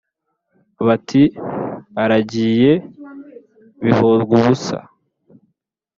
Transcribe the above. Bati : Aragiye Bihorwubusa.